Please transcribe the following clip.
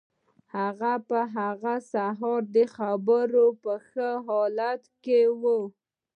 هغه په هغه سهار د خبرو په ښه حالت کې و